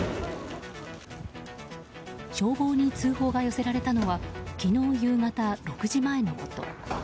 消防に通報が寄せられたのは昨日夕方６時前のこと。